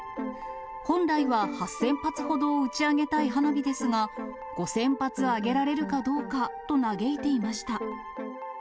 本来は８０００発ほどを打ち上げたい花火ですが、５０００発、上げられるかどうかと嘆いていました。